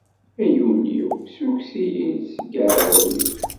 Ay Illu-iw, ssukkes-iyi-d seg yiεdawen-iw.